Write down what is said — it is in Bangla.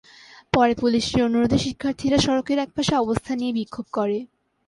পরে পুলিশের অনুরোধে শিক্ষার্থীরা সড়কের একপাশে অবস্থান নিয়ে বিক্ষোভ করে।